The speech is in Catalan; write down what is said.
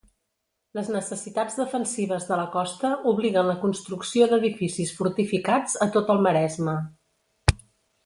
Les necessitats defensives de la costa obliguen la construcció d'edificis fortificats a tot el Maresme.